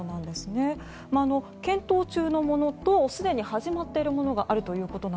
検討中のものと、すでに始まっているものがあると。